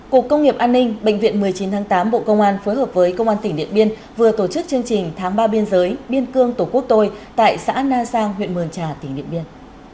cục công nghiệp an ninh bệnh viện một mươi chín tháng tám bộ công an phối hợp với công an tỉnh điện biên vừa tổ chức chương trình tháng ba biên giới biên cương tổ quốc tôi tại xã na sang huyện mường trà tỉnh điện biên